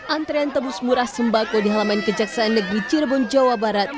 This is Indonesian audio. antrean tebus murah sembako di halaman kejaksaan negeri cirebon jawa barat